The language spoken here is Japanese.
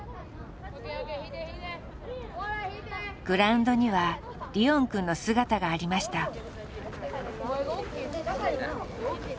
グラウンドにはリオンくんの姿がありました。